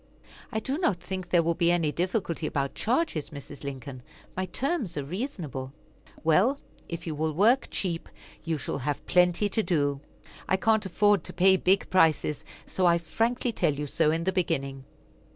"I do not think there will be any difficulty about charges, Mrs. Lincoln; my terms are reasonable." "Well, if you will work cheap, you shall have plenty to do. I can't afford to pay big prices, so I frankly tell you so in the beginning."